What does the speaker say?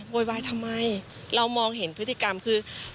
โวยวายทำไมเรามองเห็นพฤติกรรมคือ